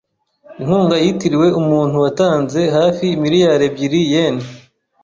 Inkunga yitiriwe umuntu watanze hafi miliyari ebyiri yen.